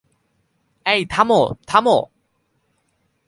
এই থামো, থামো।